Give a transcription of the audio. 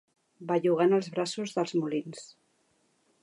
Bellugant els braços dels molins.